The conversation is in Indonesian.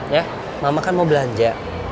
ya mama kan mau belanja